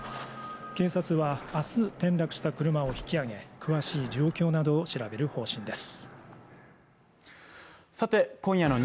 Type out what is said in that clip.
警察は明日、転落した車を引き上げ詳しい状況などを調べる方針です。